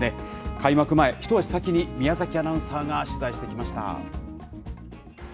開幕前、ひと足先に宮崎アナウンサーが取材してきました。